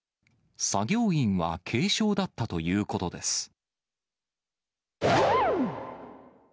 作業員は軽傷だったということです。